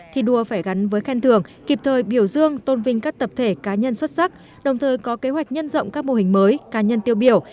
thi đua phải gắn với khen thường kịp thời biểu dương tôn vinh các tập thể cá nhân xuất sắc đồng thời có kế hoạch nhân rộng các mô hình mới cá nhân tiêu biểu